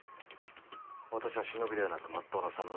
私は忍びではなくまっとうなさむら。